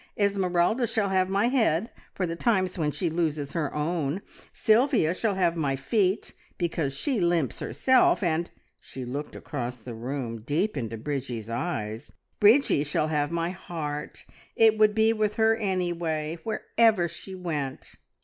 Esmeralda shall have my head, for the times when she loses her own; Sylvia shall have my feet, because she limps herself; and," she looked across the room deep into Bridgie's eyes "Bridgie shall have my heart! It would be with her, anyway, wherever she went."